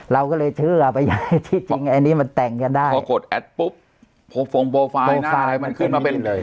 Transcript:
เราก็เลยเชื่อไปที่จริงอันนี้มันแต่งกันได้พอกดแอดปุ๊บมันขึ้นมาเป็นเลย